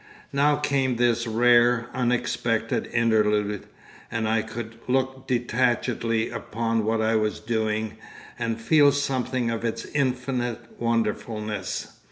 Now came this rare, unexpected interlude, and I could look detachedly upon what I was doing and feel something of its infinite wonderfulness.